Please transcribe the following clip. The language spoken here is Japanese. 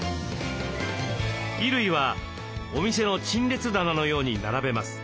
衣類はお店の陳列棚のように並べます。